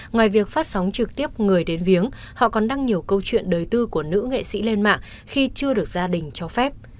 ngoài việc phát sóng trực tiếp người đến viếng họ còn đăng nhiều câu chuyện đời tư của nữ nghệ sĩ lên mạng khi chưa được gia đình cho phép